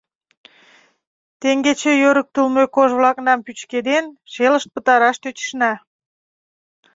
Теҥгече йӧрыктылмӧ кож-влакнам пӱчкеден, шелышт пытараш тӧчышна.